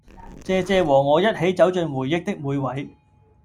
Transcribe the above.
謝謝和我一起走進回憶的每位